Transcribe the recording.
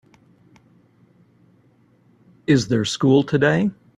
Is there school today?